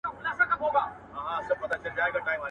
تر څو تاسو ښه فکر پکښي وکړئ.